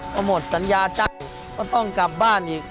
พอหมดสัญญาจ้างก็ต้องกลับบ้านอีก